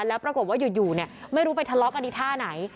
แล้วปรากฏว่าอยู่ไม่รู้ไปทะเลาะกันที่ท่าไหน